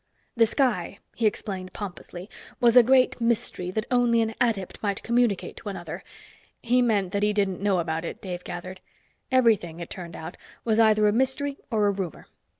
The sky, he explained pompously, was a great mystery that only an adept might communicate to another. He meant that he didn't know about it, Dave gathered. Everything, it turned out, was either a mystery or a rumor.